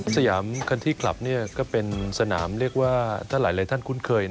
สยามคันที่กลับก็เป็นสนามเรียกว่าถ้าหลายท่านคุ้นเคย